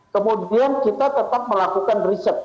kemudian kita tetap melakukan